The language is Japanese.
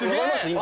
今。